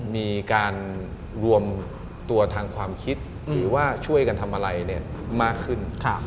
มีการรวมตัวทางความคิดหรือว่าช่วยกันทำอะไรมากขึ้น